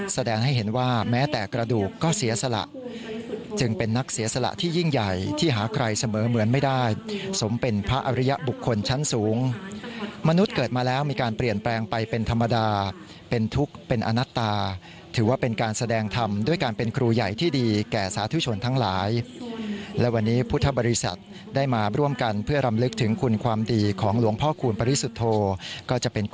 เสมอเหมือนไม่ได้สมเป็นพระอริยบุคคลชั้นสูงมนุษย์เกิดมาแล้วมีการเปลี่ยนแปลงไปเป็นธรรมดาเป็นทุกข์เป็นอนัตตาถือว่าเป็นการแสดงธรรมด้วยการเป็นครูใหญ่ที่ดีแก่สาธุชนทั้งหลายและวันนี้พุทธบริษัทได้มาร่วมกันเพื่อรำลึกถึงคุณความดีของหลวงพ่อคูณปริศุโธก็จะเป็น